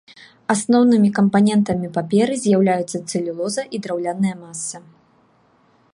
Асноўнымі кампанентамі паперы з'яўляюцца цэлюлоза і драўняная маса.